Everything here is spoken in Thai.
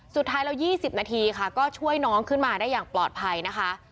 สุดท้ายแล้ว๒๐นาทีค่ะก็ช่วยน้องขึ้นมาได้อย่างปลอดภัยนะคะ